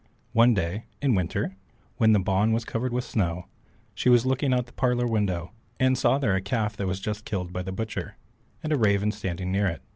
One day in winter, when the bawn was covered with snow, she was looking out of the parlour window, and saw there a calf that was just killed by the butcher, and a raven standing near it.